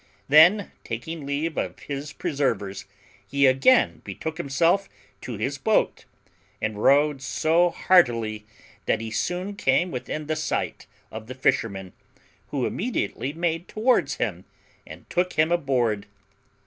Then, taking leave of his preservers, he again betook himself to his boat, and rowed so heartily that he soon came within the sight of the fisherman, who immediately made towards him and took him aboard.